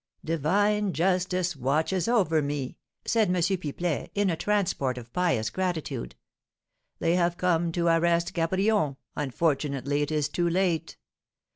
"Divine justice watches over me," said M. Pipelet, in a transport of pious gratitude. "They have come to arrest Cabrion; unfortunately it is too late."